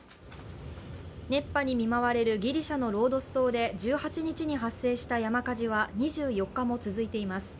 熱波に見舞われるギリシャのロードス島で１８日に発生した山火事は２４日も続いています。